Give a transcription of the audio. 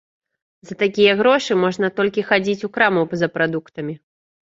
За такія грошы можна толькі хадзіць у краму за прадуктамі.